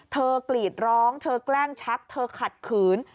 กรีดร้องเธอแกล้งชักเธอขัดขืน